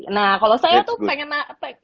nah kalau saya tuh pengen attack